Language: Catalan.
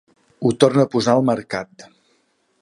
Ho torn a posar al mercat.